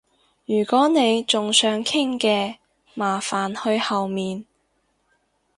如果你仲想傾嘅，麻煩去後面